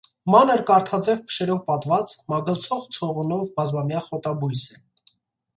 Մանր կարթաձև փշերով պատված, մագլցող ցողունով բազմամյա խոտաբույս է։